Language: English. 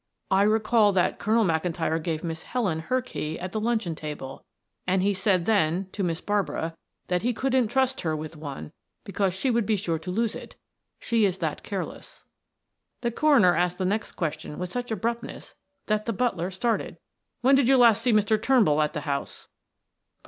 "I recall that Colonel McIntyre gave Miss Helen her key at the luncheon table, and he said, then, to Miss Barbara that he couldn't trust her with one because she would be sure to lose it, she is that careless." The coroner asked the next question with such abruptness that the butler started. "When did you last see Mr. Turnbull at the house?"